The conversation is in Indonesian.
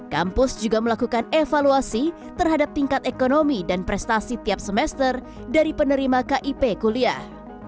kampus juga melakukan evaluasi terhadap tingkat ekonomi dan prestasi tiap semester dari penerima kip kuliah